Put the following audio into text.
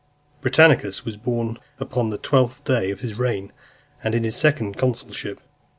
Britannicus was born upon the twentieth day of his reign, and in his second consulship.